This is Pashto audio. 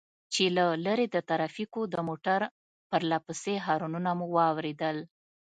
چې له لرې د ټرافيکو د موټر پرله پسې هارنونه مو واورېدل.